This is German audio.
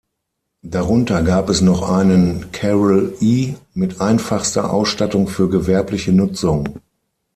Darunter gab es noch einen "Carol E" mit einfachster Ausstattung für gewerbliche Nutzung.